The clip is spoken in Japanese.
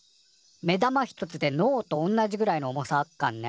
目玉一つで脳と同じくらいの重さあっかんね。